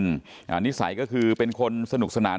ตลอดทั้งคืนตลอดทั้งคืน